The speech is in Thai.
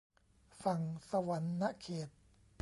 ฝั่งสะหวันนะเขต